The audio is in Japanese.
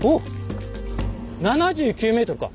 ７９ｍか？